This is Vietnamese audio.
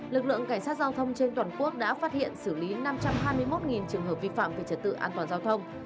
lực lượng cảnh sát giao thông trên toàn quốc đã phát hiện xử lý năm trăm hai mươi một trường hợp vi phạm về trật tự an toàn giao thông